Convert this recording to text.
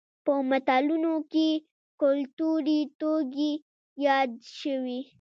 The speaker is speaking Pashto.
په متلونو کې کولتوري توکي یاد شوي دي